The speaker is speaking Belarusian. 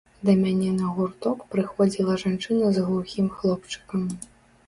Да мяне на гурток прыходзіла жанчына з глухім хлопчыкам.